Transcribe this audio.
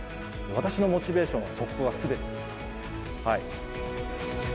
私のモチベーションはそこが全てです。